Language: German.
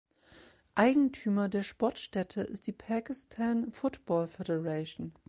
Eigentümer der Sportstätte ist die Pakistan Football Federation.